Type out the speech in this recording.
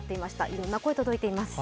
いろんな声、届いています。